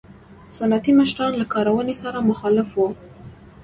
سنتي مشران له کارونې سره مخالف وو.